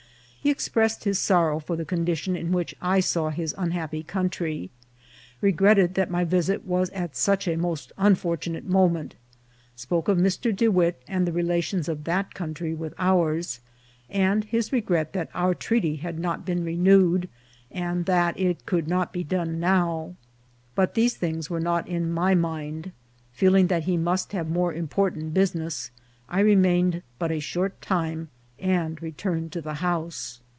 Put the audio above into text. He express ed his sorrow for the condition in which I saw his un happy country; regretted that my visit was at such a most unfortunate moment ; spoke of Mr. De Witt, and the relations of that country with ours, and his regret that our treaty had not been renewed, and that it could not be done now ; but these things were not in my mind. Feeling that he must have more important business, I remained but a short time, and returned to the house.